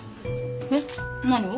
えっ何を？